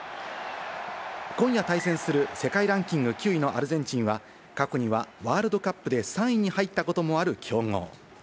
今夜対戦する世界ランキング９位のアルゼンチンは、過去にはワールドカップで３位に入ったこともある強豪。